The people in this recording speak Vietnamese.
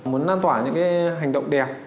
muốn lan tỏa những hành động đẹp